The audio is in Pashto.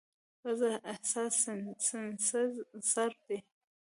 پزه حساس سینسر دی.